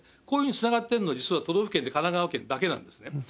こういうふうにつながってるのは実は都道府県で神奈川県だけなんですね。